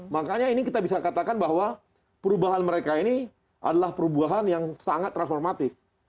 makanya ini kita bisa katakan bahwa perubahan mereka ini adalah perubahan yang sangat transformatif